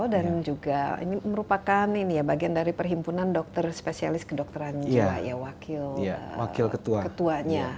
dan juga ini merupakan bagian dari perhimpunan dokter spesialis kedokteran jiwa wakil ketuanya